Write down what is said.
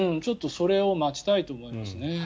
ちょっとそれを待ちたいと思いますね。